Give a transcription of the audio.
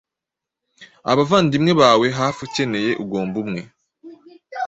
Abavandimwe bawe hafi ukeneye ugomba umwe